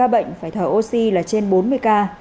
hướng dẫn phải thở oxy là trên bốn mươi ca